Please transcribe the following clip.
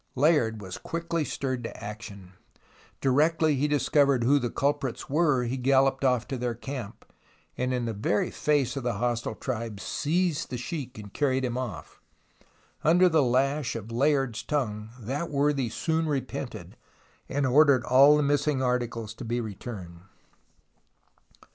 Layard was quickly stirred to action. Directly he discovered who the culprits were he galloped off to their camp, and in the very face of the hostile tribe seized the sheik and carried him off. Under the lash of Layard's tongue that worthy soon repented, and ordered all the missing articles to be returned.